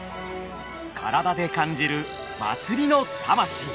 体で感じる祭りの魂。